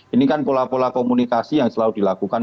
ini kan pola pola komunikasi yang selalu dilakukan